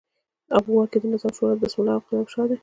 او واک په کې د نظار شورا د بسم الله او قدم شاه دی.